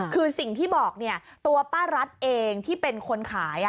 คือสิ่งที่บอกตัวป้ารัฐเองที่เป็นคนขาย